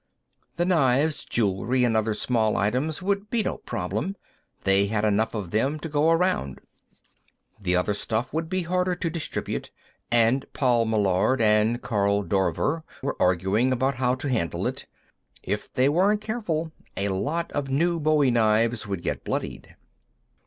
_] The knives, jewelry and other small items would be no problem; they had enough of them to go around. The other stuff would be harder to distribute, and Paul Meillard and Karl Dorver were arguing about how to handle it. If they weren't careful, a lot of new bowie knives would get bloodied.